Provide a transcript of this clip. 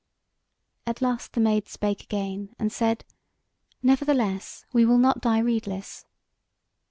At last the Maid spake again, and said: "Nevertheless we will not die redeless.